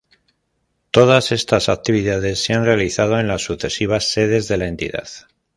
Todas estas actividades se han realizado en las sucesivas sedes de la entidad.